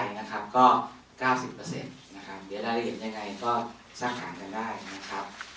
และรายละเอียดยังไงก็สร้างหาลายได้